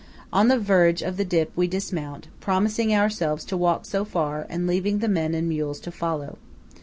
On the verge of the dip we dismount, promising ourselves to walk so far, and leaving the men and mules to follow.